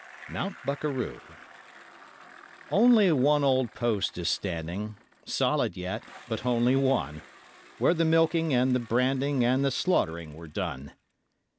Mount Bukaroo Only one old post is standing Solid yet, but only one Where the milking, and the branding, And the slaughtering were done.